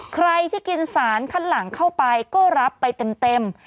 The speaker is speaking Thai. ใครที่กินสารคันหลังเข้าไปก็รับไปเต็ม